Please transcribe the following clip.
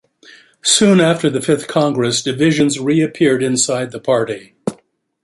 Soon after the fifth congress, divisions reappeared inside the party.